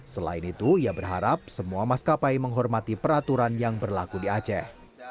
selain itu ia berharap semua maskapai menghormati peraturan yang berlaku di aceh